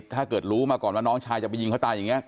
ถ้าเกิดรู้มาก่อนว่าน้องชายจะไปยิงเขาตายอย่างนี้